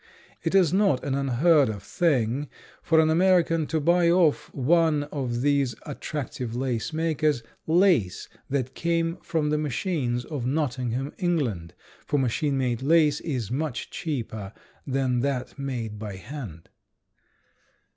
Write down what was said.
It is not an unheard of thing for an American to buy of one of these attractive lace makers lace that came from the machines of Nottingham, England, for machine made lace is much cheaper than that made by hand.